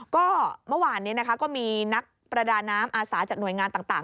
ก็เมื่อวานนี้นะคะก็มีนักประดาน้ำอาสาจากหน่วยงานต่าง